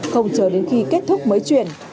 không chờ đến khi kết thúc mới chuyển